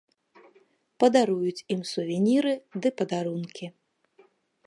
Падаруюць ім сувеніры ды падарункі.